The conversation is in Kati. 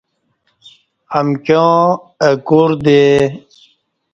امکیوں اہ کوردے